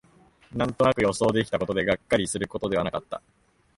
なんとなく予想できたことで、がっかりすることではなかった